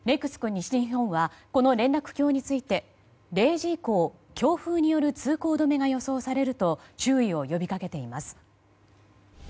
西日本はこの連絡橋について０時以降、強風による通行止めが予想されると注意を呼びかけています。